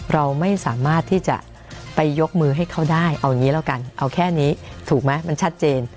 เราไม่สามารถที่จะไปยกมือให้เขาได้เอาแง่นี้เอาแค่นี้ถูกมั้ยมันชัดเจน